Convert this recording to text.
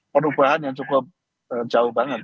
perubahan yang cukup jauh banget